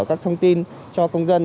các thông tin cho công dân